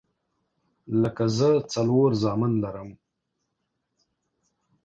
لکه زه څلور زامن لرم